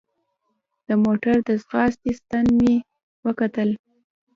د موټر د ځغاستې ستن ته مې وکتل.